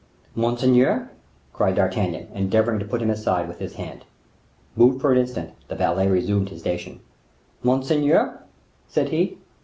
"Monseigneur?" cried D'Artagnan, endeavoring to put him aside with his hand. Moved for an instant the valet resumed his station. "Monseigneur?" said he.